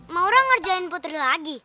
maura ngerjain putri lagi